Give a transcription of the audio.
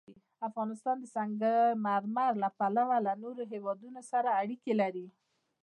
افغانستان د سنگ مرمر له پلوه له نورو هېوادونو سره اړیکې لري.